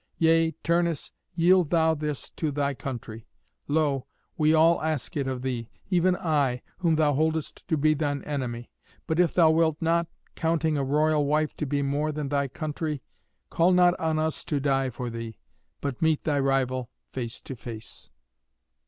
Yea, Turnus, yield thou this to thy country. Lo! we all ask it of thee, even I, whom thou holdest to be thine enemy. But if thou wilt not, counting a royal wife to be more than thy country, call not on us to die for thee, but meet thy rival face to face."